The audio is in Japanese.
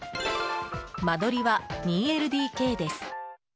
間取りは２ＬＤＫです。